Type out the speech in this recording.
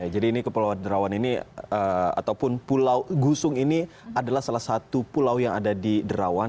jadi ini kepulauan derawan ini ataupun pulau gusung ini adalah salah satu pulau yang ada di derawan